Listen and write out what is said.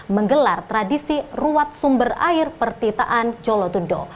menggelar tradisi ruat sumber air pertitaan colotundo